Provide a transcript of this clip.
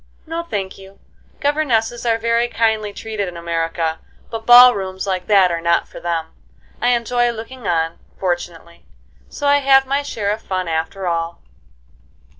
"No, thank you. Governesses are very kindly treated in America; but ball rooms like that are not for them. I enjoy looking on, fortunately; so I have my share of fun after all."